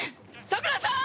さくらさん！